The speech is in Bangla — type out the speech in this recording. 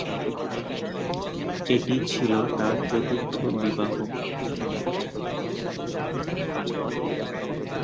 এটি ছিল তাঁর চতুর্থ বিবাহ।